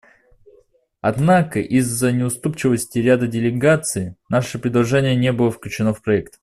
Однако из-за неуступчивости ряда делегаций наше предложение не было включено в проект.